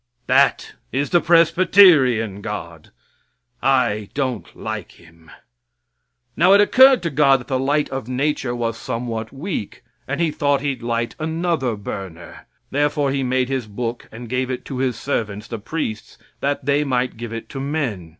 That is the Presbyterian God. I don't like Him. Now it occurred to God that the light of nature was somewhat weak, and He thought He'd light another burner. Therefore He made His book and gave it to His servants, the priests, that they might give it to men.